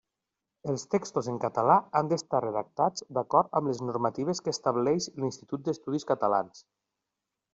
Els textos en català han d'estar redactats d'acord amb les normatives que estableix l'Institut d'Estudis Catalans.